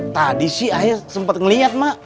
tadi sih ayah sempat ngeliat mak